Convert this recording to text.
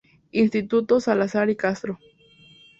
Instituto "Salazar y Castro".